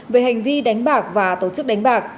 về hành vi đánh bạc và tổ chức đánh bạc